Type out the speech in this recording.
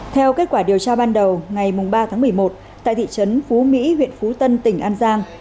theo kết quả điều tra ban đầu ngày ba tháng một mươi một tại thị trấn phú mỹ huyện phú tân tỉnh an giang